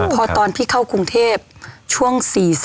พอตอนที่เข้ากรุงเทพช่วง๔๐